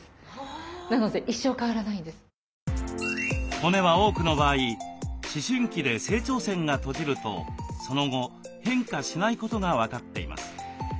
骨は多くの場合思春期で成長線が閉じるとその後変化しないことが分かっています。